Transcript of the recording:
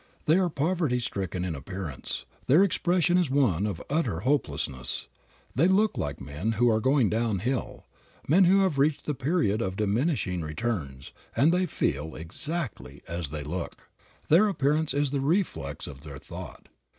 They are poverty stricken in appearance; their expression is one of utter hopelessness. They look like men who are going downhill, men who have reached the period of diminishing returns, and they feel exactly as they look. Their appearance is the reflex of their thought.